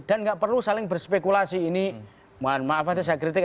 dan enggak perlu saling berspekulasi ini maaf maaf saja saya kritik